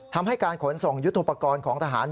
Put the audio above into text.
ทำให้การขนส่งยุทธุปกรณ์ของทหาร